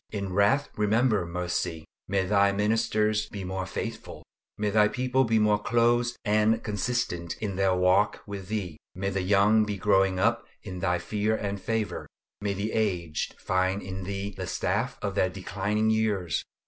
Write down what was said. In wrath remember mercy. May Thy ministers be more faithful. May Thy people be more close and consistent in their walk with Thee. May the young be growing up in Thy fear and favor; may the aged find in Thee the staff of their declining years.